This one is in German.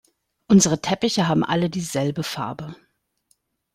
Unsere Teppiche haben alle dieselbe Farbe.